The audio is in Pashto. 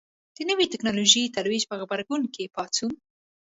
د نوې ټکنالوژۍ ترویج په غبرګون کې پاڅون.